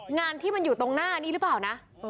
งานที่มันอยู่ตรงหน้านี้หรือเปล่านะ